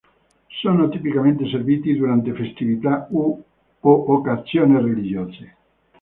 Sono tipicamente serviti durante festività o occasione religiose.